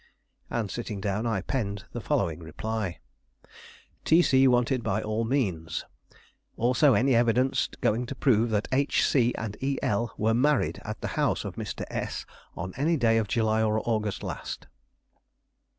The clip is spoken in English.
And sitting down I penned the following reply: "T. C. wanted by all means. Also any evidence going to prove that H. C. and E. L. were married at the house of Mr. S. on any day of July or August last."